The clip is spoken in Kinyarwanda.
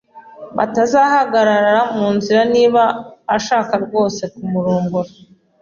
batazahagarara mu nzira niba ashaka rwose kumurongora.